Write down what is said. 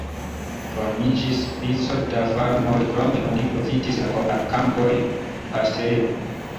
Formiĝis vico da farmoj, krome oni profitis la kampojn paŝtejo.